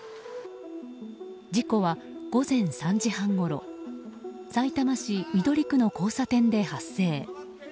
事故は、午前３時半ごろさいたま市緑区の交差点で発生。